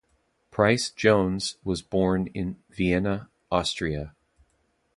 Pryce-Jones was born in Vienna, Austria.